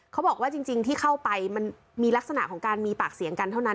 เขาบอกว่าจริงที่เข้าไปมันมีลักษณะของการมีปากเสียงกันเท่านั้น